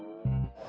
terus ke kamar mandi